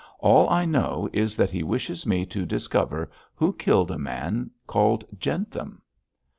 All I know is that he wishes me to discover who killed a man called Jentham.'